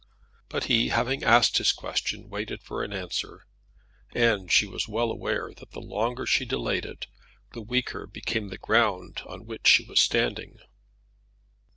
But he, having asked his question, waited for an answer; and she was well aware that the longer she delayed it, the weaker became the ground on which she was standing.